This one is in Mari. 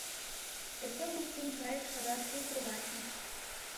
Эсогыл пун-кайык шара шулдыр-вачым